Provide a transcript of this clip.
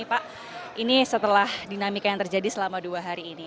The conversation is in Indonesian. pak ini setelah dinamika yang terjadi selama dua hari ini